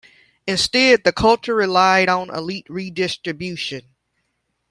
Instead, the culture relied on elite redistribution.